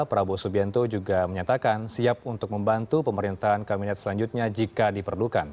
prabowo subianto juga menyatakan siap untuk membantu pemerintahan kabinet selanjutnya jika diperlukan